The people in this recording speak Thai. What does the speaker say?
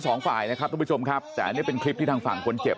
สองฝ่ายนะครับทุกผู้ชมครับแต่อันนี้เป็นคลิปที่ทางฝั่งคนเจ็บ